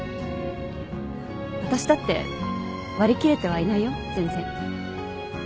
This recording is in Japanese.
私だって割り切れてはいないよ全然。